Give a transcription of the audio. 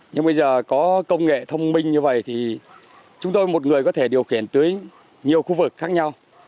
nhưng bây giờ có công nghệ thông minh như vậy thì chúng tôi một người có thể điều khiển tưới nhiều khu vực khác nhau